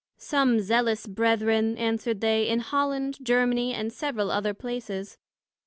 some Zealous Brethren, answered they, in Holland, Germany, and several other places.